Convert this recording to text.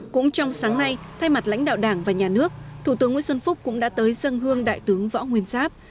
cũng trong sáng nay thay mặt lãnh đạo đảng và nhà nước thủ tướng nguyễn xuân phúc cũng đã tới dân hương đại tướng võ nguyên giáp